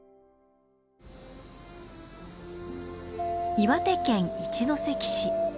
岩手県一関市。